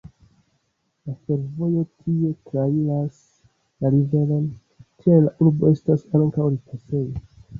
La fervojo tie trairas la riveron, tial la urbo estas ankaŭ limpasejo.